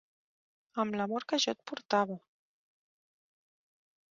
Amb l'amor que jo et portava!